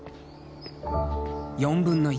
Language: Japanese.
４分の１。